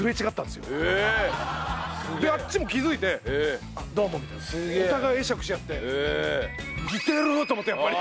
すげえ！であっちも気づいて「どうも」みたいな。お互い会釈し合って。似てると思ってやっぱり。